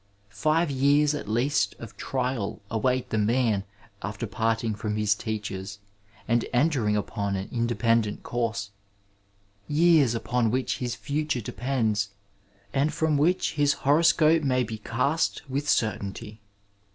Five years, at least, of tiial await the man after parting from his teachers, and en&ering upon an independent course — ^years upon which his future depends, and from which his horoscope may be cast with oertainty.